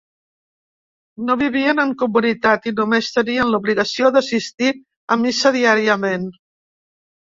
No vivien en comunitat i només tenien l'obligació d'assistir a missa diàriament.